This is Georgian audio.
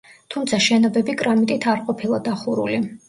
თუმცა შენობები კრამიტით არ ყოფილა დახურული.